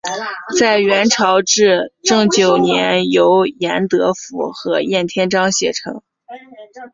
在元朝至正九年由严德甫和晏天章写成。